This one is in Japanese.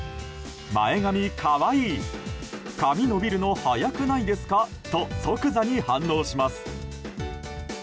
前髪可愛い髪伸びるの早くないですかと即座に反応します。